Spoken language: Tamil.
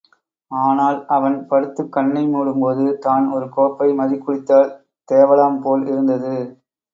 ஆனால், அவன் படுத்துக் கண்ணை மூடும்போது, தான் ஒரு கோப்பை மதுக்குடித்தால் தேவலாம் போல் இருந்தது.